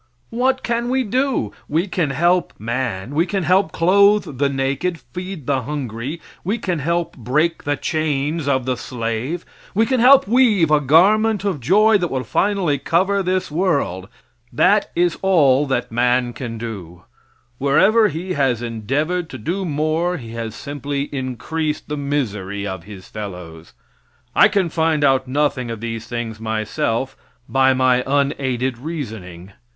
What can we do? We can help man; we can help clothe the naked, feed the hungry; we can help break the chains of the slave; we can help weave a garment of joy that will finally cover this world. That is all that man can do. Wherever he has endeavored to do more he has simply increased the misery of his fellows. I can find out nothing of these things myself by my unaided reasoning.